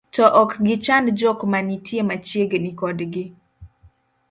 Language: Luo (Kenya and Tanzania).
to ok gichand jok manitie machiegni kodgi